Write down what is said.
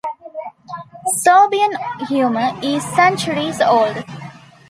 Serbian humour is centuries old.